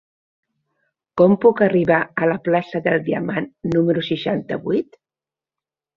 Com puc arribar a la plaça del Diamant número seixanta-vuit?